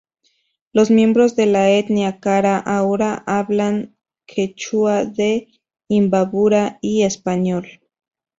Los miembros de la etnia cara, ahora hablan quechua de Imbabura y español.